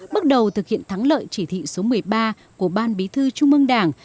bước đầu thực hiện thắng lợi chỉ thị số một mươi ba của ban bí thư trung ương đảng